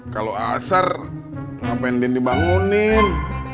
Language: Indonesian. kalau asar ngapain din dibangunin